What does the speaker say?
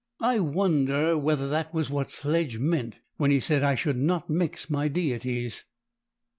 "I wonder whether that was what Sledge meant when he said I should not mix my deities."